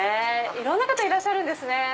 いろんな方いらっしゃるんですね。